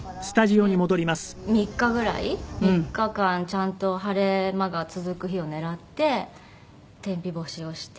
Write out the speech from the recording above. で３日ぐらい３日間ちゃんと晴れ間が続く日を狙って天日干しをして。